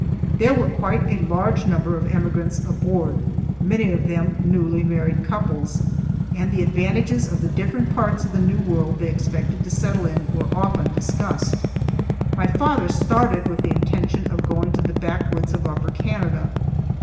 There were quite a large number of emigrants aboard, many of them newly married couples, and the advantages of the different parts of the New World they expected to settle in were often discussed. My father started with the intention of going to the backwoods of Upper Canada.